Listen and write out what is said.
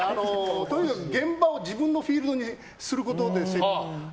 とにかく現場を自分のフィールドにすることでね。